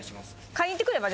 買いにいってくれば？